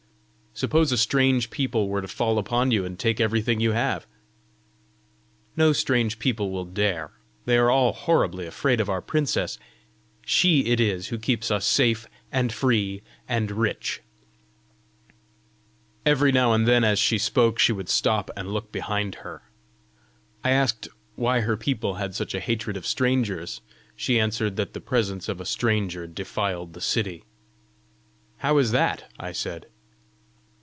"Suppose a strange people were to fall upon you, and take everything you have!" "No strange people will dare; they are all horribly afraid of our princess. She it is who keeps us safe and free and rich!" Every now and then as she spoke, she would stop and look behind her. I asked why her people had such a hatred of strangers. She answered that the presence of a stranger defiled the city. "How is that?" I said.